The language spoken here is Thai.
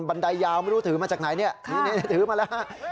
ไดยาวไม่รู้ถือมาจากไหนเนี่ยนี่ถือมาแล้วฮะ